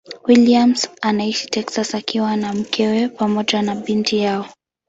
Williams anaishi Texas akiwa na mkewe pamoja na binti yao.